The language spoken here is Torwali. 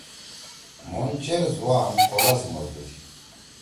مُھن چیر زوان کولا سی مزدُو تھی۔